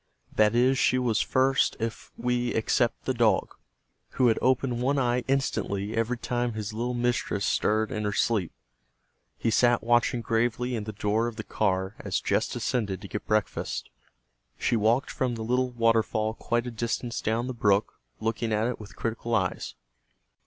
That is, she was first if we except the dog, who had opened one eye instantly every time his little mistress stirred in her sleep. He sat watching gravely in the door of the car as Jess descended to get breakfast. She walked from the little waterfall quite a distance down the brook, looking at it with critical eyes.